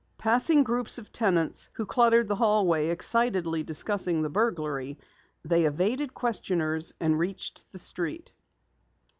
Passing groups of tenants who cluttered the hallway excitedly discussing the burglary, they evaded questioners and reached the street.